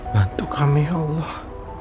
bantu kami ya allah